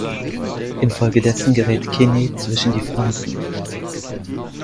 Infolgedessen gerät Kinney zwischen die Fronten.